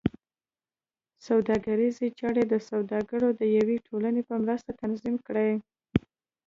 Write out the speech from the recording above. سوداګریزې چارې د سوداګرو د یوې ټولنې په مرسته تنظیم کړې.